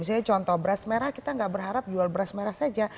misalnya contoh beras merah kita nggak berharap jual beras merah saja